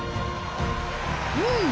うん！